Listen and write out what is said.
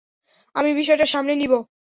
আমি বিষয়টা সামলে নিবো।